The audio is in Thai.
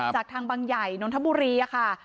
จากทางบังใหญ่นนทบุรีค่ะ